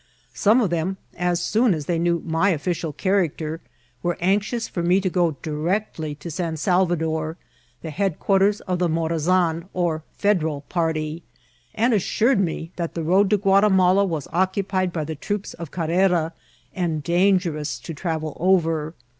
Some of them, as soon as they knew my official character, were anxious for me to go directly to San Salvador, the head quarters of the Morazan or Federal party, and assured me that the road to Guatimala was ococqpied by the troops of Carrera, and dangerous to travel over.